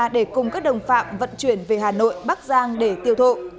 để cùng các đồng phạm vận chuyển về hà nội bắc giang để tiêu thụ